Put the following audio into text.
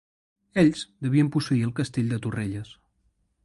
Ells devien posseir el Castell de Torrelles.